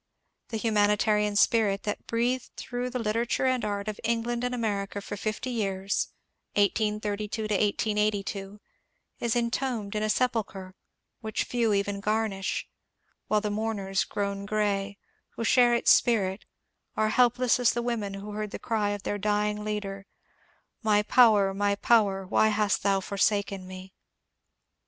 The humanitarian spirit that breathed through the literature and art of England and America for fifty years (1832 1882) is entombed in a sepulchre which few even garnish, while the mourners grown grey, who shared its spirit, are helpless as the women who heard the cry of their dying leader, ^« My power, my power, why hast thou forsaken me